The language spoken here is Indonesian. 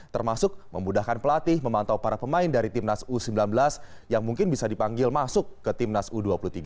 termasuk memudahkan pelatih memantau para pemain dari timnas u sembilan belas yang mungkin bisa dipanggil masuk ke timnas u dua puluh tiga